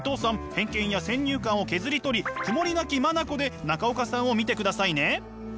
偏見や先入観を削り取り曇りなき眼で中岡さんを見てくださいね。